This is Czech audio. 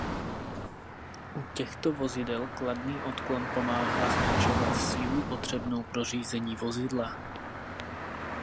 U těchto vozidel kladný odklon pomáhá zmenšovat sílu potřebnou pro řízení vozidla.